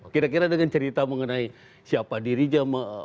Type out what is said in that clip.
kira kira dengan cerita mengenai siapa dirinya